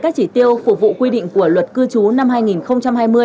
các chỉ tiêu phục vụ quy định của luật cư trú năm hai nghìn hai mươi